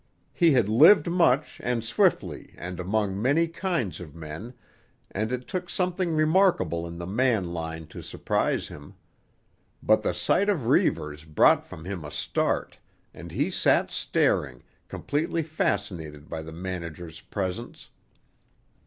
He had lived much and swiftly and among many kinds of men, and it took something remarkable in the man line to surprise him. But the sight of Reivers brought from him a start, and he sat staring, completely fascinated by the Manager's presence.